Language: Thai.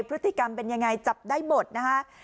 พฤติกรรมเป็นยังไงจับได้หมดนะคะ